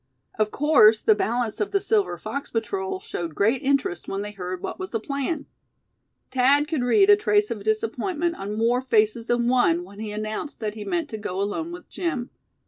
Of course the balance of the Silver Fox Patrol showed great interest when they heard what was the plan. Thad could read a trace of disappointment on more faces than one when he announced that he meant to go alone with Jim.